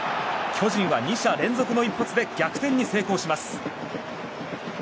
巨人は２者連続の一発で逆転に成功します。